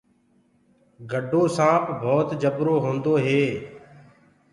گَڊو سآنپ ڀوت جبرو هوندو هي۔